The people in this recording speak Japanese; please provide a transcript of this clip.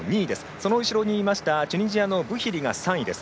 その後ろにいましたチュニジアのブヒリが３位です。